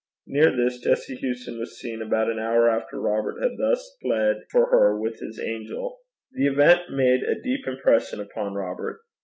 Near this Jessie Hewson was seen about an hour after Robert had thus pled for her with his angel. The event made a deep impression upon Robert.